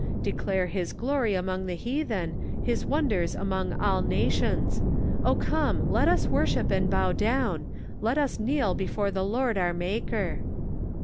Declare his glory among the heathen, his wonders among all nations. O come, let 'US worship and bow down, let us kneel before the Lord our maker."